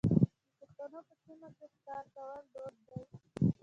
د پښتنو په سیمو کې ښکار کول دود دی.